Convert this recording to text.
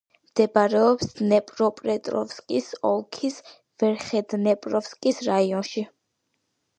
მდებარეობს დნეპროპეტროვსკის ოლქის ვერხნედნეპროვსკის რაიონში.